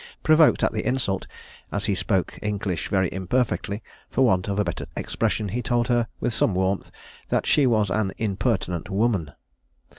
Provoked at the insult, as he spoke English very imperfectly, for want of a better expression, he told her, with some warmth, "that she was an impertinent woman."